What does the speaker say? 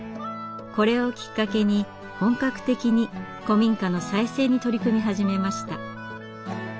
これをきっかけに本格的に古民家の再生に取り組み始めました。